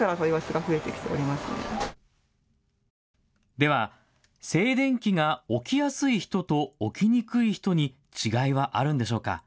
では静電気が起きやすい人と起きにくい人に違いはあるんでしょうか。